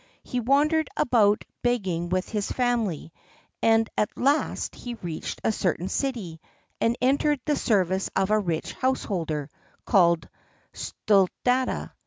He wandered about begging with his family, and at last he reached a certain city, and entered the service of a rich householder called Sthuladatta.